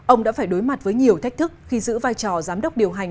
ông đã phải đối mặt với nhiều thách thức khi giữ vai trò giám đốc điều hành